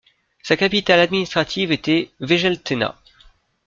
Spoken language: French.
Sa capitale administrative était Wegeltena.